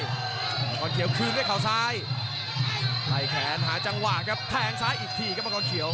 มังกรเขียวคืนด้วยเขาซ้ายไล่แขนหาจังหวะครับแทงซ้ายอีกทีครับมังกรเขียว